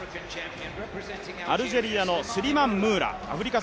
アルジェリアのスリマン・ムーラ。